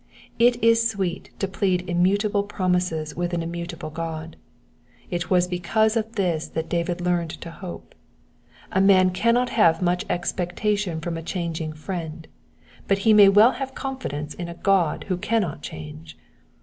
It is sweet to plead immutable pro mises with an inmiutable God. It was because of this that David learned to hope : a man cannot have much expectation from a changing friend, but he may well have confidence in a God who cannot change.